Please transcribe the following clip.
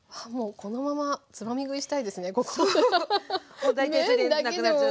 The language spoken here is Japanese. もう大体それでなくなっちゃう。